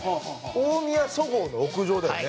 大宮そごうの屋上だよね。